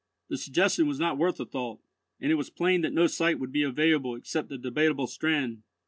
The suggestion was not worth a thought, and it was plain that no site would be available except the Debateable Strand.